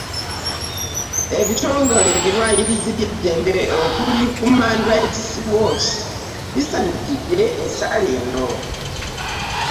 Ebitongole ebirwanirizi by'eddembe okuli Human Rights Watch bisanyukidde ensala eno